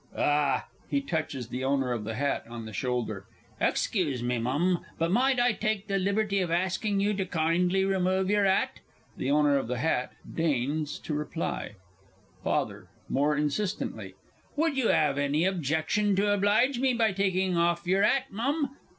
Ah! (He touches THE OWNER OF THE HAT on the shoulder.) Excuse me, Mum, but might I take the liberty of asking you to kindly remove your 'at? [THE OWNER OF THE HAT deigns no reply. FATHER (more insistently). Would you 'ave any objection to oblige me by taking off your 'at, Mum?